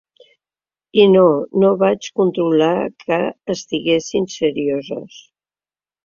I no, no vaig controlar que estiguessin serioses.